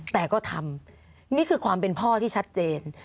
แต่ก็ทำนี่คือความเป็นพ่อที่ชัดเจน